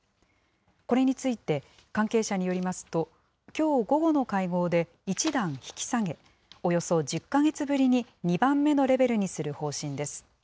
これについて、関係者によりますと、きょう午後の会合で、１段引き下げ、およそ１０か月ぶりに２番目のレベルにする方針です。